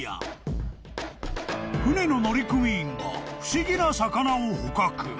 ［船の乗組員が不思議な魚を捕獲］